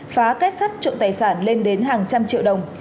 phá kết sắt trộm tài sản lên đến hàng trăm triệu đồng